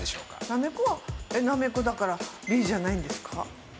なめこはえっなめこだからＢじゃないんですか？